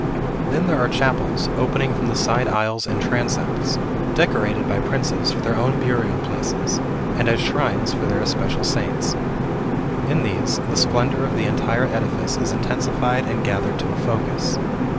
Then there are chapels, opening from the side aisles and transepts, decorated by princes for their own burial places, and as shrines for their especial saints. In these, the splendor of the entire edifice is intensified and gathered to a focus.